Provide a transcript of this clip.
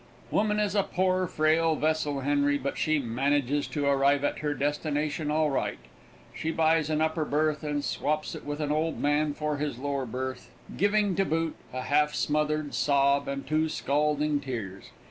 Woman is a poor, frail vessel, Henry, but she manages to arrive at her destination all right. She buys an upper berth and then swaps it with an old man for his lower berth, giving to boot a half smothered sob and two scalding tears.